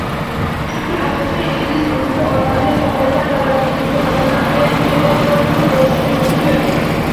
Chunki haqiqiy ingliz muhiti orqali xohlagan davlatingizga, masalan, Amerikaga bemalol kirib borishingiz mumkin.